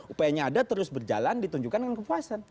upayanya ada terus berjalan ditunjukkan dengan kepuasan